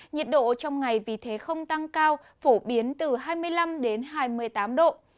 nhiệt độ trong ngày vì thế không tăng cao phổ biến từ hai mươi năm đến hai mươi tám độ